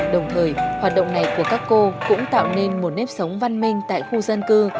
đồng thời hoạt động này của các cô cũng tạo nên một nếp sống văn minh tại khu dân cư